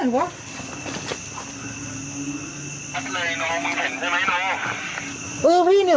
อะไรเนาะมึงเห็นใช่มั้ยเนาะ